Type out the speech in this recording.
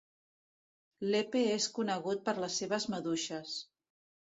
Lepe és conegut per les seves maduixes.